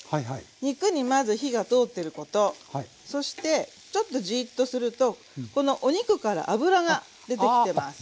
肉にまず火が通ってることそしてちょっとじっとするとこのお肉から脂が出てきてます。